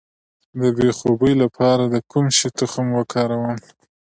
د بې خوبۍ لپاره د کوم شي تخم وکاروم؟